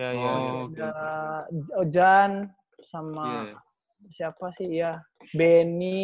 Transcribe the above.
ada ojan sama siapa sih ya benny